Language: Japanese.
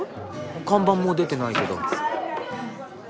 看板も出てないけど。